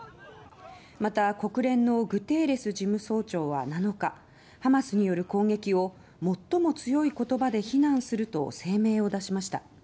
また国連のグテーレス事務総長は７日、ハマスによる攻撃を最も強い言葉で非難すると声明を出しました。